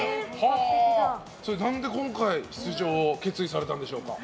何で今回出場を決意されたんでしょうか？